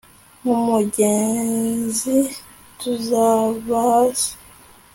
Nku mugezi tuzava hasi